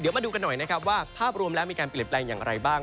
มาดูกันหน่อยนะครับว่าภาพรวมแล้วมีการเปลี่ยนแปลงอย่างไรบ้าง